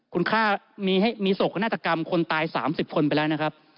คุณค่ามีโศกนาฏกรรมคนตาย๓๐คนไปแล้วนะครับ